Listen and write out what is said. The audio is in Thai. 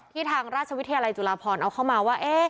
ทางราชวิทยาลัยจุฬาพรเอาเข้ามาว่า